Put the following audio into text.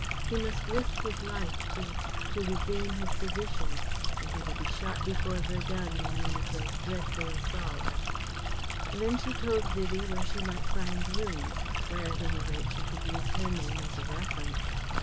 He must risk his life to to regain his position, and he will be shot before Verdun in one of those dreadful assaults." Then she told Vivie where she might find rooms, where at any rate she could use her name as a reference.